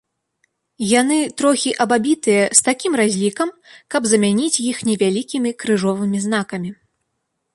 Яны трохі абабітыя з такім разлікам, каб замяніць іх невялікімі крыжовымі знакамі.